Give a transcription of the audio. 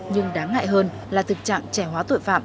nhưng đáng ngại hơn là thực trạng trẻ hóa tội phạm